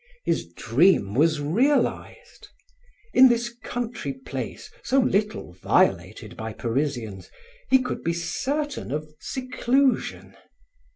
His dream was realized! In this country place so little violated by Parisians, he could be certain of seclusion.